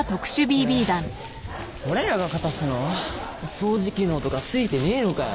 掃除機能とかついてねえのかよ